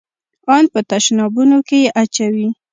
ان په تشنابونو کښې يې اچوي.